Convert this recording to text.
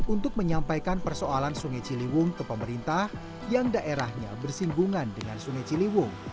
untuk menyampaikan persoalan sungai ciliwung ke pemerintah yang daerahnya bersinggungan dengan sungai ciliwung